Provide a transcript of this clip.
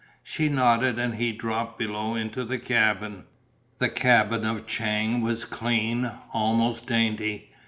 She nodded and he dropped below into the cabin. The cabin of Chang was clean, almost dainty.